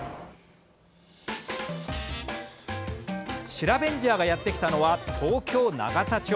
シラベンジャーがやってきたのは東京・永田町。